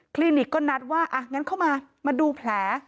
ลินิกก็นัดว่าอ่ะงั้นเข้ามามาดูแผล